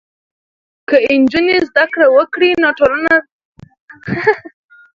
که نجونې زده کړه وکړي، نو ټولنه د اعتماد او همکارۍ فضا لري.